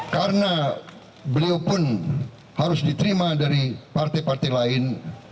karena beliau pun harus diterima dari partai partai lain